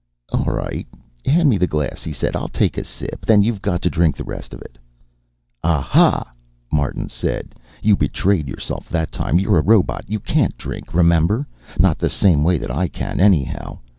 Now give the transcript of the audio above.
"All right, hand me the glass," he said. "I'll take a sip. Then you've got to drink the rest of it." "Aha!" Martin said. "You betrayed yourself that time. You're a robot. You can't drink, remember? Not the same way that I can, anyhow.